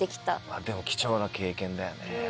でも貴重な経験だよね。